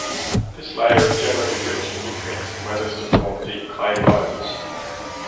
This layer is generally rich in nutrients and weathers to form deep clay loams.